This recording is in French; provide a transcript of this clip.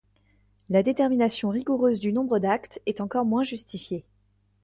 La détermination rigoureuse du nombre d’actes est encore moins justifiée.